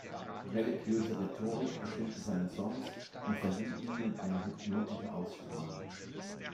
Religiöse Rhetorik bestimmte seine Songs und verlieh ihnen eine hypnotische Ausstrahlung.